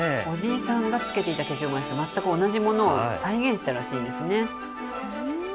おじいさんがつけていた化粧まわしと、全く同じものを再現したらしいんですね。